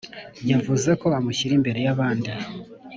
yavuze ko amushyira imbere ya abandi